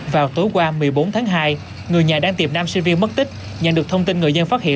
vào tối qua một mươi bốn tháng hai người nhà đang tìm nam sinh viên mất tích nhận được thông tin người dân phát hiện